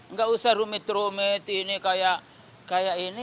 nggak usah rumit rumit ini kayak ini